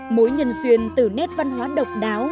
mối nhân duyên từ nét văn hóa độc đáo